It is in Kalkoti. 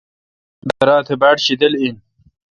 درا تہ باڑشیدل این۔